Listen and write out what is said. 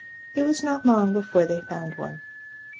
It was not long before they found one.